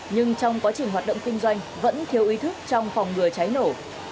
nhưng trong quá trình hoạt động kinh doanh vẫn thiếu ý thức trong phòng ngừa cháy nổ